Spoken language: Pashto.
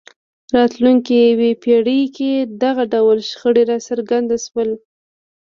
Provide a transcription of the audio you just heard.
راتلونکې یوې پېړۍ کې دغه ډول شخړې راڅرګند شول.